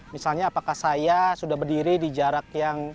misalnya apakah saya sudah berdiri di jarak yang